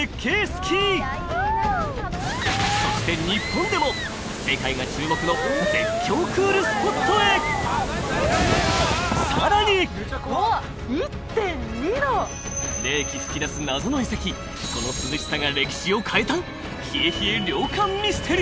スキーそして日本でも世界が注目の絶叫クールスポットへさらにその涼しさが歴史を変えた！？